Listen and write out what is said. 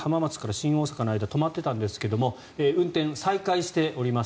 新大阪の間止まっていたんですが運転再開しております。